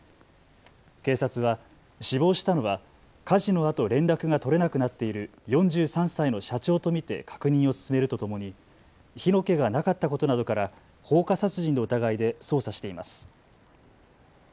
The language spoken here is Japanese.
警察は死亡したのは火事のあと連絡が取れなくなっている４３歳の社長と見て確認を進めるとともに火の気がなかったことなどから放火殺人の疑いで捜査しています。